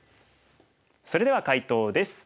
それでは解答です。